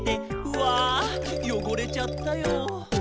「うぁよごれちゃったよ」